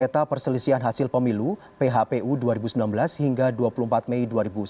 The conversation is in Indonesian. peta perselisihan hasil pemilu phpu dua ribu sembilan belas hingga dua puluh empat mei dua ribu sembilan belas